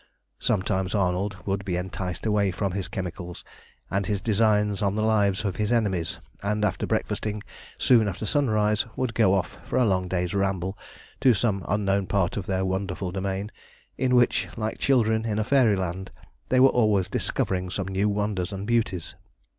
Sometimes Arnold would be enticed away from his chemicals, and his designs on the lives of his enemies, and after breakfasting soon after sunrise would go off for a long day's ramble to some unknown part of their wonderful domain, in which, like children in a fairyland, they were always discovering some new wonders and beauties.